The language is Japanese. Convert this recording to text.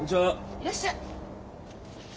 いらっしゃ。